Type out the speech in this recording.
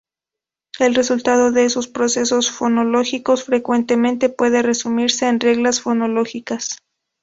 El resultado de esos procesos fonológicos frecuentemente puede resumirse en reglas fonológicas.